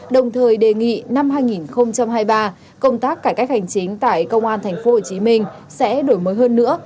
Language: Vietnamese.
đồng thời đề nghị năm hai nghìn hai mươi ba công tác cải cách hành chính tại công an tp hcm sẽ đổi mới hơn nữa